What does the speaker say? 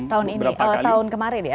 tahun ini tahun kemarin ya